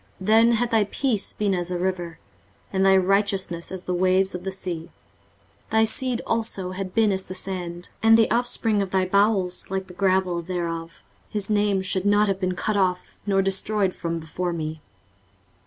then had thy peace been as a river, and thy righteousness as the waves of the sea: 23:048:019 Thy seed also had been as the sand, and the offspring of thy bowels like the gravel thereof; his name should not have been cut off nor destroyed from before me.